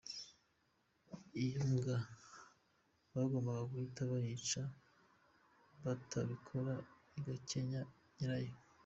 Iyo mbwa bagombaga guhita bayica batabikora igakenya nyirayo.